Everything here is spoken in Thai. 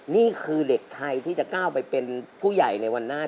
นี่คือเด็กไทยที่จะก้าวไปเป็นผู้ใหญ่ในวันหน้า